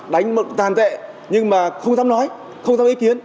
đánh tàn tệ nhưng mà không dám nói không dám ý kiến